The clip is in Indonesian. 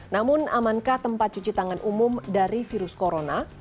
namun amankah tempat cuci tangan umum dari virus corona